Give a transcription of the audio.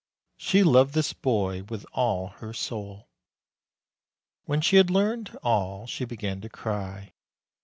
She loved this boy with all her soul. When she had learned all, she began to cry.